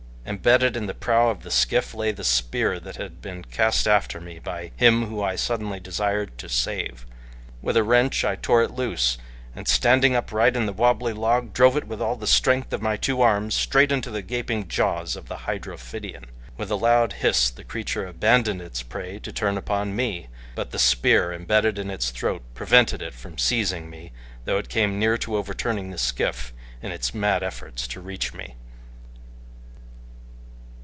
Embedded in the prow of the skiff lay the spear that had been cast after me by him whom I suddenly desired to save. With a wrench I tore it loose, and standing upright in the wobbly log drove it with all the strength of my two arms straight into the gaping jaws of the hydrophidian. With a loud hiss the creature abandoned its prey to turn upon me, but the spear, imbedded in its throat, prevented it from seizing me though it came near to overturning the skiff in its mad efforts to reach me.